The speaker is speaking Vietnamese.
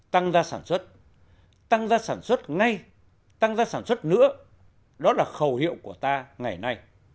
tăng gia sản xuất tăng ra sản xuất ngay tăng ra sản xuất nữa đó là khẩu hiệu của ta ngày nay